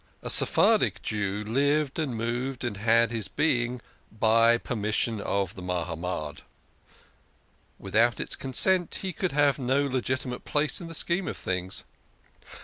A Sephardic Jew lived and moved and had his being " by permission of the Mahamad." Without its con sent he could have no legitimate place in the scheme of things.